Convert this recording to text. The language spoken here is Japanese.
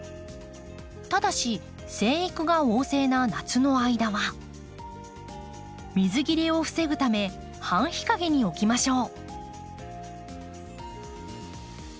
ただし生育が旺盛な夏の間は水切れを防ぐため半日陰に置きましょう。